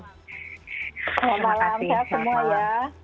selamat malam sehat semua ya